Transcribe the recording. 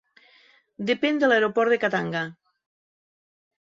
Depèn de l'aeroport de Khatanga.